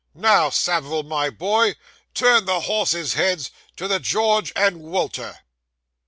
Now, Samivel, my boy, turn the horses' heads to the George and Wulter!